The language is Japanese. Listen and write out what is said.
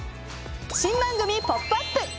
新番組「ポップＵＰ！」